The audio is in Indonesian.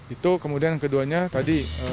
itu kemudian keduanya tadi